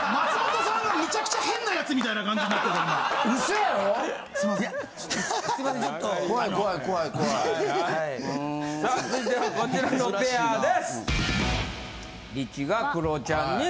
さあ続いてはこちらのペアです。